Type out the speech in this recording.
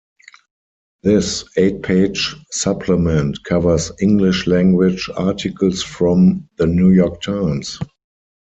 This eight-page supplement covers English-language articles from "The New York Times".